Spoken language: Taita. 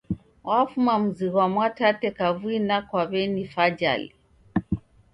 Wafuma mzi ghwa Mwatate kavui na kwa w'eni Fajali.